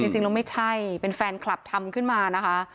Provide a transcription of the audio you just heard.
จริงแล้วไม่ใช่เป็นแฟนคลับทำขึ้นมานะคะ